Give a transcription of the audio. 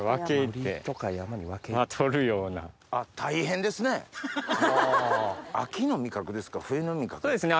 冬の味覚ですか？